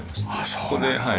そこではい。